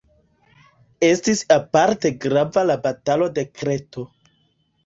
Estis aparte grava la Batalo de Kreto.